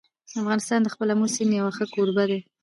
افغانستان د خپل آمو سیند یو ښه کوربه دی.